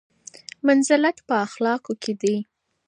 منزلت په اخلاقو کې دی.